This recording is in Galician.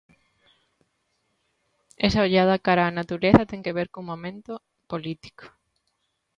Esa ollada cara á natureza ten que ver cun momento político.